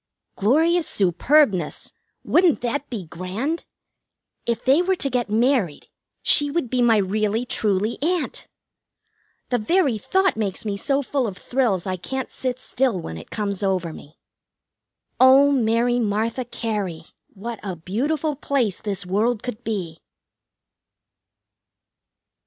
Glorious superbness! Wouldn't that be grand? If they were to get married she would be my really, truly Aunt! The very thought makes me so full of thrills I can't sit still when it comes over me. Oh, Mary Martha Cary, what a beautiful place this world could be!